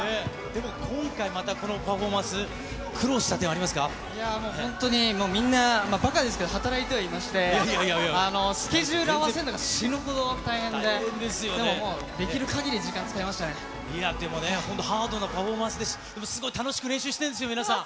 でも今回、またこのパフォーもう本当に、もうみんな、ばかですけど、働いてはいまして、スケジュール合わせるのが死ぬほど大変で、でももう、いやでもね、本当にハードなパフォーマンスで、すごい楽しく練習してるんですよ、皆さん。